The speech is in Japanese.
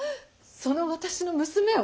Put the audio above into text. その私の娘を！？